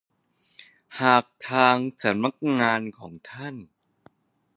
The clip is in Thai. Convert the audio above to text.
หากทางสำนักงานของท่าน